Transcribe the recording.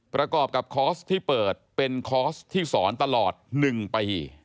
ประกอบกับคอร์สที่เปิดเป็นคอร์สที่สอนตลอด๑ปี